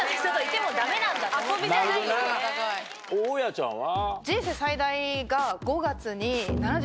大家ちゃんは？